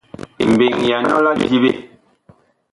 Mbeŋ ya nɔ la diɓe.